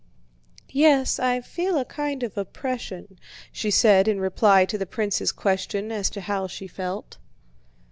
"Yes, I feel a kind of oppression," she said in reply to the prince's question as to how she felt.